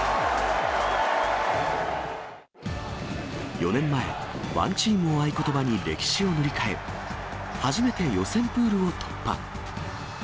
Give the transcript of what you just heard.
４年前、ワンチームを合言葉に歴史を塗り替え、初めて予選プールを突破。